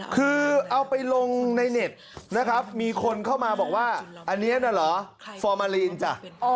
คือเอาไปลงในเน็ตนะครับมีคนเข้ามาบอกว่าอันนี้น่ะเหรอฟอร์มาลีนจ้ะ